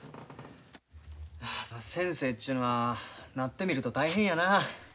先生ちゅうのはなってみると大変やな。